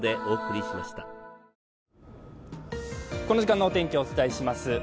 この時間のお天気をお伝えします。